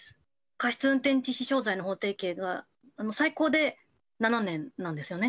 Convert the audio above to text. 過失運転致死傷罪の法定刑は最高で７年なんですよね。